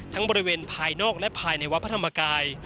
บริเวณภายนอกและภายในวัดพระธรรมกาย